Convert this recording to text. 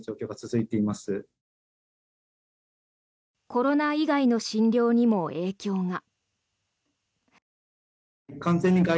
コロナ以外の診療にも影響が。